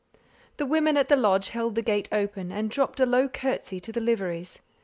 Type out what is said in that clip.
The woman at the lodge held the gate open, and dropped a low curtsey to the liveries.